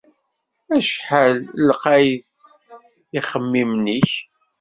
Acḥal lqayit yixemmimen-ik!